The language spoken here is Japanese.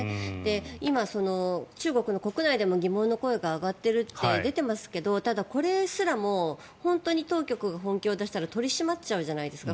今、中国の国内でも疑問の声が上がっているって出ていますけどただ、これすらも本当に当局が本気を出したら取り締まっちゃうじゃないですか。